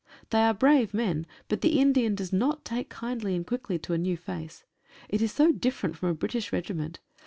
They are brave men, but the Indian does not take kindly and quickly to a new face. It is so different from a British regiment.